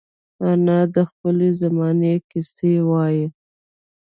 انا د خپلې زمانې کیسې وايي